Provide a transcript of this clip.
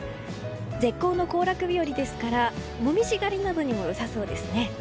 絶好の行楽日和ですから紅葉狩りなどにも良さそうですね。